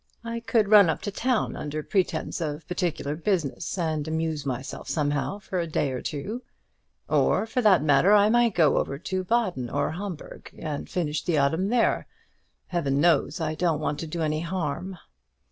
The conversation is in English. I could run up to town under pretence of particular business, and amuse myself somehow for a day or two. Or, for that matter, I might go over to Baden or Hombourg, and finish the autumn there. Heaven knows I don't want to do any harm."